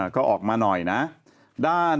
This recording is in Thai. ก็ออกมาหน่อยนะ